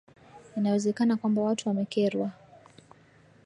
inawezekana kwamba watu wamekerwa